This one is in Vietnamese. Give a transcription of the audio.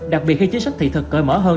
đặc biệt khi chính sách thị thực cởi mở hơn